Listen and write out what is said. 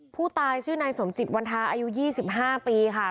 ผู้ตายชื่อนายสมจิตวันทาอายุ๒๕ปีค่ะ